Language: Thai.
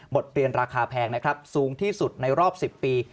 บทเรียนราคาแพงสูงที่สุดในรอบ๑๐ปี